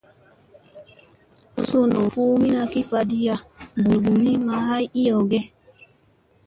Sunu fuumina ki vaɗiya mɓulgumi maa ay hu ew.